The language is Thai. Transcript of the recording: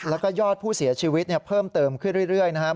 แล้วก็ยอดผู้เสียชีวิตเพิ่มเติมขึ้นเรื่อยนะครับ